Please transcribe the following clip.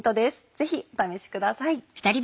ぜひお試しください。